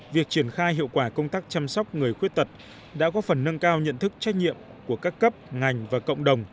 việc triển khai hiệu quả công tác chăm sóc người khuyết tật đã có phần nâng cao nhận thức trách nhiệm của các cấp ngành và cộng đồng